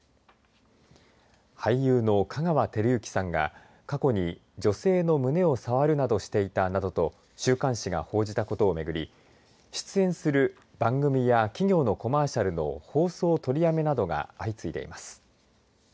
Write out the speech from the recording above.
俳優の香川照之さんが過去に女性の胸を触るなどしていたなどと週刊誌が報じたことを巡り出演する番組や企業のコマーシャルの放送取りやめなどが相次いでいます。